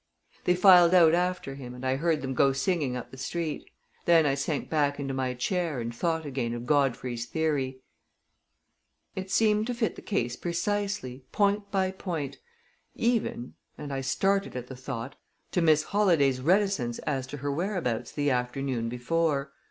They filed out after him, and I heard them go singing up the street. Then I sank back into my chair and thought again of Godfrey's theory; it seemed to fit the case precisely, point by point even and I started at the thought to Miss Holladay's reticence as to her whereabouts the afternoon before.